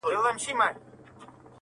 حاکم وویل ته کډه سه کاشان ته!.